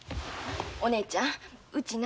お姉ちゃんうちな